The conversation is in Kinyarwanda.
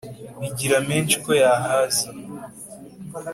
bigiramenshi ko yahaza